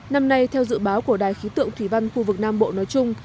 năm nay theo dự báo của đài khí tượng thủy văn khu vực nam bộ nói chung